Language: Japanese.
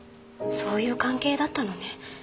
そういう関係だったのね。